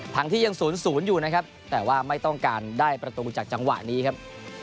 ทั้งที่ยัง๐๐อยู่นะครับแต่ว่าไม่ต้องการได้ประตูจากจังหวะนี้ครับ